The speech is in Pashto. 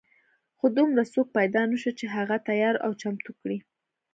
خو دومره څوک پیدا نه شو چې هغه تیار او چمتو کړي.